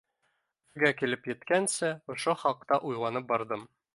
Өфөгә килеп еткәнсе ошо хаҡта уйланып барҙым.